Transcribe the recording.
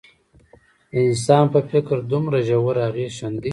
د انسان په فکر دومره ژور اغېز ښندي.